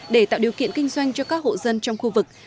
để tạo điều kiện kinh doanh cho các hộ dân trong khu vực